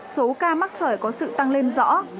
số ca mắc sởi có sự tăng lên rõ